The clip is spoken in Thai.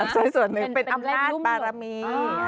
ใช่เป็นอำนาจปารามี